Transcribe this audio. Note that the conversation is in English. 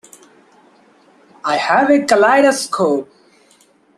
I have a kaleidoscope.